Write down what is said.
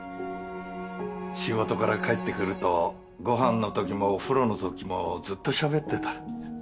仕事から帰ってくるとご飯のときもお風呂のときもずっとしゃべってた。